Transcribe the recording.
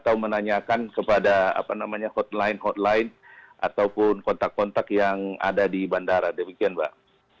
atau menanyakan kepada hotline hotline ataupun kontak kontak yang ada di bandara demikian mbak